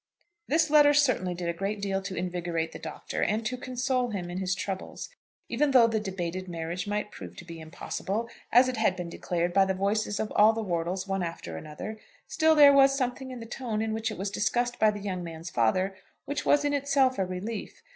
This letter certainly did a great deal to invigorate the Doctor, and to console him in his troubles. Even though the debated marriage might prove to be impossible, as it had been declared by the voices of all the Wortles one after another, still there was something in the tone in which it was discussed by the young man's father which was in itself a relief.